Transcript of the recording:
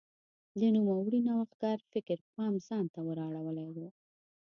د نوموړي نوښتګر فکر پام ځان ته ور اړولی و.